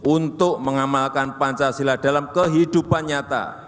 untuk mengamalkan pancasila dalam kehidupan nyata